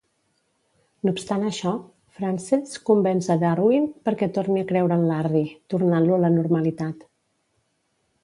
No obstant això, Frances convenç a Darwin perquè torni a creure en Larry, tornant-lo a la normalitat.